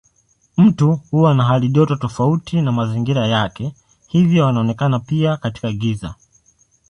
Mtu huwa na halijoto tofauti na mazingira yake hivyo anaonekana pia katika giza.